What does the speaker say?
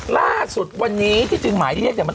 ล่าสุดวันนี้ที่จึงหมายเรียกเนี่ยมัน